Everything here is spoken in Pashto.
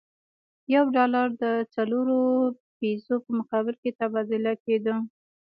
یو ډالر د څلورو پیزو په مقابل کې تبادله کېده.